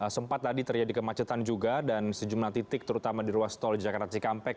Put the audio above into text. sempat tadi terjadi kemacetan juga dan sejumlah titik terutama di ruas tol jakarta cikampek